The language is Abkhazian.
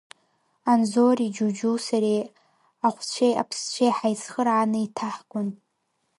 Анзори Џьуџьу сареи ахәцәеи аԥсцәеи ҳаицхырааны иҭаҳгон.